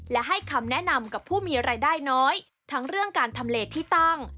และให้คำแนะนำกับผู้มีรายได้น้อยทั้งเรื่องการทำเลที่ตั้ง